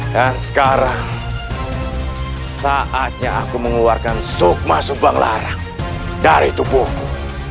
dan sekarang saatnya aku mengeluarkan sukma subanglarang dari tubuhku